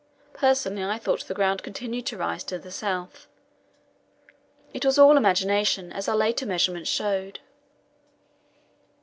Personally I thought the ground continued to rise to the south. It was all imagination, as our later measurements showed.